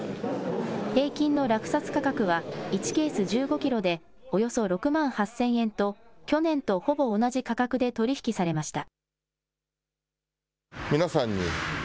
定期の落札価格は１ケース１５キロでおよそ６万８０００円と去年とほぼ同じ価格で取り引きされました。